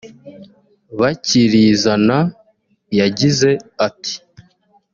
bakirizana yagize ati